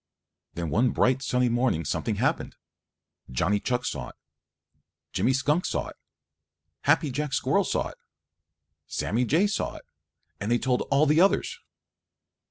Then one bright sunny morning something happened. Johnny Chuck saw it. Jimmy Skunk saw it. Happy Jack Squirrel saw it. Sammy Jay saw it. And they told all the others.